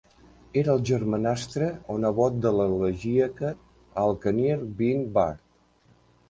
Era el germanastre o nebot de l'elegíaca Al-Khirniq bint Badr.